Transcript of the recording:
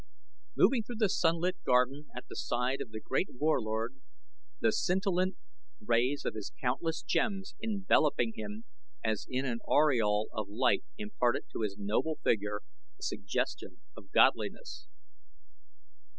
Moving through the sunlit garden at the side of the great Warlord, the scintillant rays of his countless gems enveloping him as in an aureole of light imparted to his noble figure a suggestion of godliness.